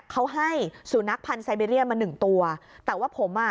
เขาให้สุนัขพันธ์ไซเบรียมาหนึ่งตัวแต่ว่าผมอ่ะ